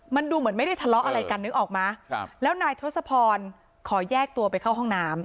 มันดูเหมือนไม่ได้ทะเลาะอะไรกันนึกออกมั้ยแล้วนายทศพรขอแยกตัวไปเข้าห้องน้ำ